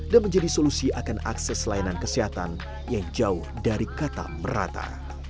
dan menjadi solusi akan akses layanan kesehatan yang jauh dari kata merata